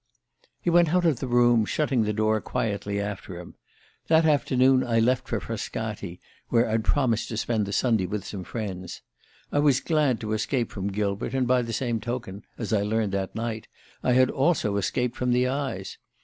"He went out of the room, shutting the door quietly after him. That afternoon I left for Frascati, where I'd promised to spend the Sunday with some friends. I was glad to escape from Gilbert, and by the same token, as I learned that night, I had also escaped from the eyes.